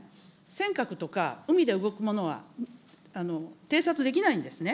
尖閣とか海で動くものは、偵察できないんですね。